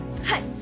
はい。